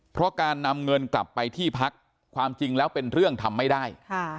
เพราะการนำเงินกลับไปที่พักความจริงแล้วเป็นเรื่องทำไม่ได้